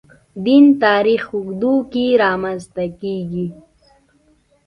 دین تاریخ اوږدو کې رامنځته کېږي.